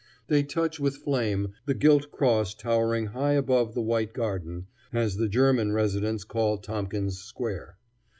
They touch with flame the gilt cross towering high above the "White Garden," as the German residents call Tompkins Square.